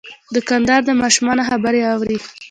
دوکاندار د ماشومانو خبرې اوري.